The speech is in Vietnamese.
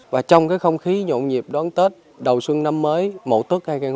và trong cái không khí nhộn nhịp đón tết đầu xuân năm mới mổ tức hai nghìn một mươi tám